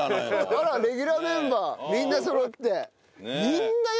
あらレギュラーメンバーみんなそろって。